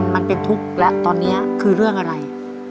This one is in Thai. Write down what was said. มันเป็นทุกข์แล้วตอนนี้คือเรื่องอะไร